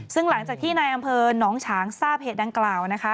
ซึ่งหลังจากที่นายอำเภอหนองฉางทราบเหตุดังกล่าวนะคะ